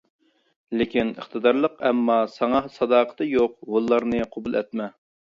لېكىن ئىقتىدارلىق ئەمما ساڭا ساداقىتى يوق ھونلارنى قوبۇل ئەتمە.